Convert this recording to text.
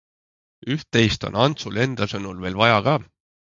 Üht-teist on Antsul enda sõnul veel vaja ka.